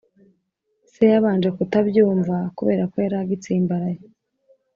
Se yabanje kutabyumva kubera ko yari agitsimbaraye